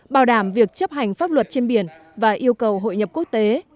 bảo đảm việc chấp hành pháp luật trên biển và yêu cầu hội nhập quốc tế